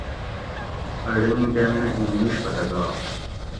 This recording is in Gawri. ائ ڈمین کامینہ ایں میش پتہ گا